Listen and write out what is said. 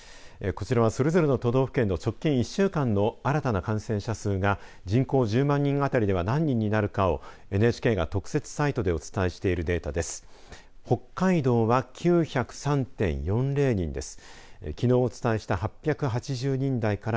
こちらは、それぞれの都道府県の直近１週間の新たな感染者数が人口１０万人当たりでは何人になるかをＮＨＫが特設サイトでお伝えしているデータです。